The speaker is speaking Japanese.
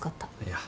いや。